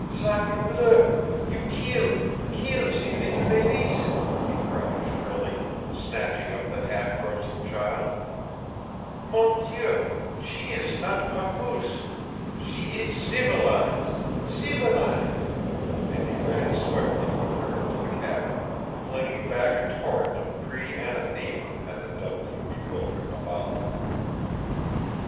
"Sacre bleu you keel keel ze leetle Mélisse!" he cried shrilly, snatching up the half frozen child, "Mon Dieu, she ees not papoose! She ees ceevilize ceevilize!" and he ran swiftly with her into the cabin, flinging back a torrent of Cree anathema at the dumbly bewildered Maballa.